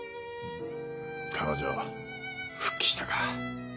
彼女復帰したか。